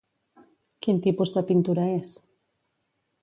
Quin tipus de pintura és?